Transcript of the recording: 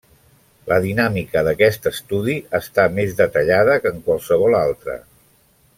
La dinàmica d'aquest estudi està més detallada que en qualsevol altre.